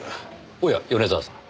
おや米沢さん。